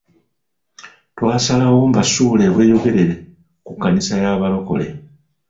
Twasalawo mbasuule e Bweyogerere ku kkanisa y'abalokole.